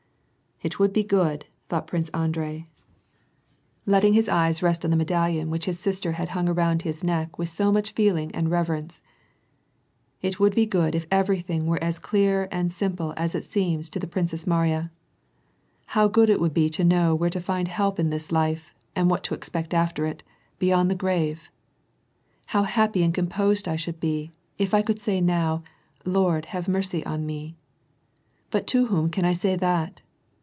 *< It would be good," thought Prince Andrei, letting his eyee WAR AND PEACE. 369 lest on the medallion which his sister had hung aroond his neck with so much feeling and reverence, '' it would be good if everything were as clear and simple as it seems to the Prin . MSB Mariya. How good it would be to know where to find help in this life, and what to expect after it, — beyond the grave ! How happy and composed I should be, if I could say oow, ' Lord have mercy on me !' But to whom can I say that